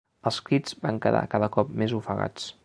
Els crits van quedar cada cop més ofegats.